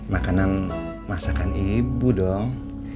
makanan masakan ibu dong